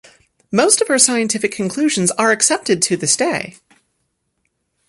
Most of her scientific conclusions are accepted to this day.